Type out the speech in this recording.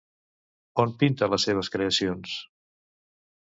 On pinta les seves creacions?